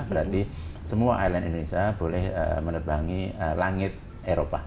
berarti semua airline indonesia boleh menerbangi langit eropa